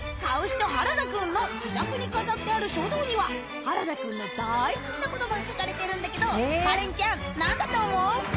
人原田くんの自宅に飾ってある書道には原田くんの大好きな言葉が書かれてるんだけどカレンちゃん何だと思う？